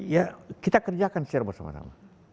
ya kita kerjakan secara bersama sama